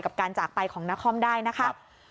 กับการจากไปของนครได้นะคะ